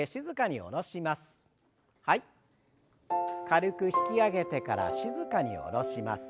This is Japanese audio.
軽く引き上げてから静かに下ろします。